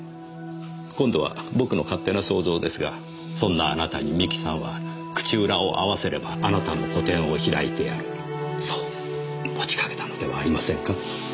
今度は僕の勝手な想像ですがそんなあなたに三木さんは口裏を合わせればあなたの個展を開いてやるそう持ちかけたのではありませんか？